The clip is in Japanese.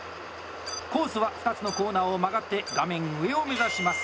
コースは２つのコーナーを曲がって画面上を目指します。